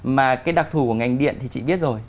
mà cái đặc thù của ngành điện thì chị biết rồi